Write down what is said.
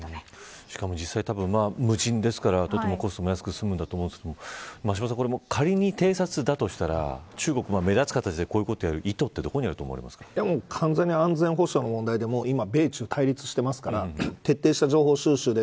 しかも実際たぶん無人ですからとてもコストも安く済むんだと思うんですけど仮に偵察だとしたら中国、目立つ形でこういうことをやる意図は完全に安全保障の問題で今米中対立してますから徹底した情報収集で。